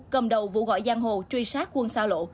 cầm đầu vụ gọi giang hồ truy sát quân sao lộ